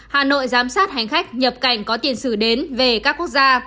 hà nội giám sát hành khách nhập cảnh có tiền sử đến về các quốc gia